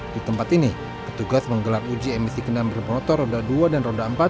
di tempat ini petugas menggelar uji emisi kendaraan bermotor roda dua dan roda empat